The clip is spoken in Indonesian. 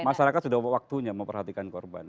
masyarakat sudah waktunya memperhatikan korban